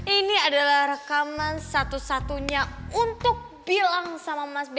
ini adalah rekaman satu satunya untuk bilang sama mas beka